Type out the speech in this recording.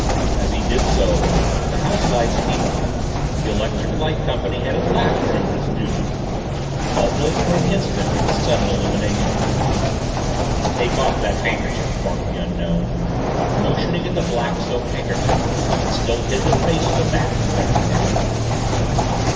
As he did so the house lights came on; the electric light company had at last remembered its duties. All blinked for an instant in the sudden illumination. "Take off that handkerchief!" barked the Unknown, motioning at the black silk handkerchief that still hid the face of the Bat from recognition.